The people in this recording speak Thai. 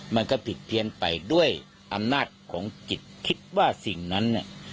มันก็ผิดเพี้ยนไปด้วยอำนาจของจิตคิดว่าสิ่งนั้นเนี่ย